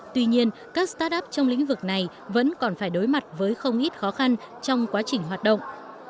tuy nhiên các start up trong lĩnh vực này vẫn còn phải đối mặt với không ít khó khăn trong quá trình hoạt động